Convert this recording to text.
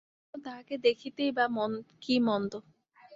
কেন, তাহাকে দেখিতেই বা কী মন্দ!